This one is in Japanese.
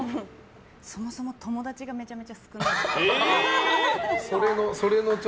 そもそも友達がめちゃめちゃ少ない。